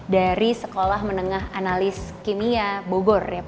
dari sekolah menengah analis kimia bogor